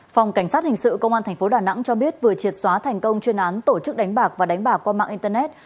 phòng cảnh sát hình sự công an tp đà nẵng cho biết vừa triệt xóa thành công chuyên án tổ chức đánh bạc và đánh bạc qua mạng internet